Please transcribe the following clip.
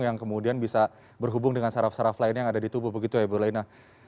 yang kemudian bisa berhubung dengan saraf saraf lainnya yang ada di tubuh begitu ya ibu lena